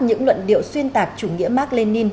những luận điệu xuyên tạc chủ nghĩa mark lenin